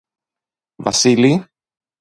Βασίλη!